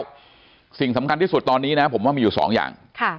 สิ่งสำคัญที่สุดตอนนี้นะผมว่ามีอยู่สองอย่าง